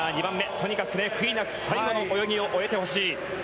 とにかく悔いなく最後の泳ぎを終えてほしい。